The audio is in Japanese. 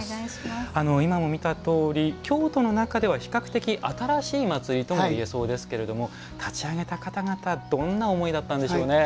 今も見たとおり京都の中では比較的新しい祭りともいえそうですが立ち上げた方々どんな思いだったんでしょう？